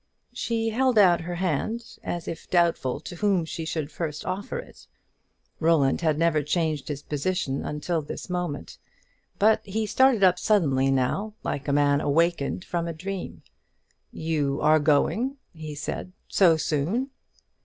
She held out her hand, as if doubtful to whom she should first offer it; Roland had never changed his position until this moment, but he started up suddenly now, like a man awakened from a dream. "You are going?" he said; "so soon!"